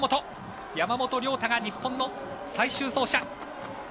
山本涼太が日本の最終走者。